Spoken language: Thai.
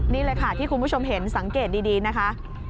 นี่เลยค่ะที่คุณผู้ชมเห็นสังเกตดีนะคะ